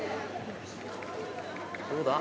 どうだ？